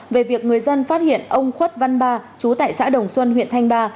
về việc người dân phát hiện ông khuất văn ba chú tại xã đồng xuân huyện thanh ba